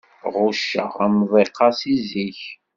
Ɣucceɣ amḍiq-a si zik.